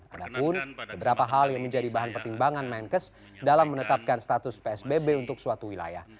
ada pun beberapa hal yang menjadi bahan pertimbangan menkes dalam menetapkan status psbb untuk suatu wilayah